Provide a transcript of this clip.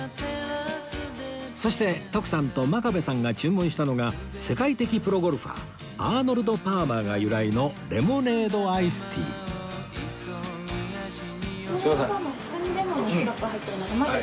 そして徳さんと真壁さんが注文したのが世界的プロゴルファーアーノルド・パーマーが由来のレモネードアイスティーすみません。